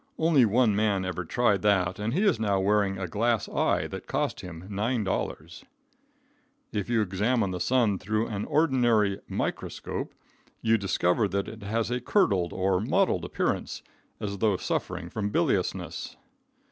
Only one man every tried that, and he is now wearing a glass eye that cost him $9. If you examine the sun through an ordinary solar microscope, you discover that it has a curdled or mottled appearance, as though suffering from biliousness.